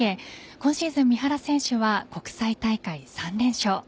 今シーズン三原選手は国際大会３連勝。